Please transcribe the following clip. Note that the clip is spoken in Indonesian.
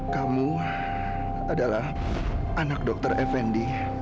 kamu adalah anak dokter effendi